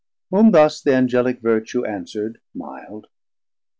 370 Whom thus the Angelic Vertue answerd milde.